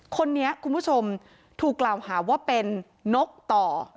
คนนี้คุณผู้ชมถูกกล่าวหาว่าเป็นนกต่อ